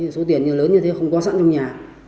số tiền lớn như thế không có sẵn trong nhà